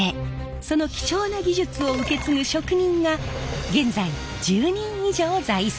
その貴重な技術を受け継ぐ職人が現在１０人以上在籍。